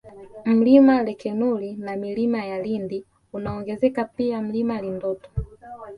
Mlima Likenuli na Milima ya Lindi unaongezeka pia Mlima Lindoto